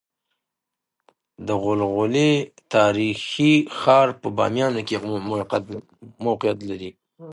دغلغلې تاريخي ښار په باميانو کې موقعيت لري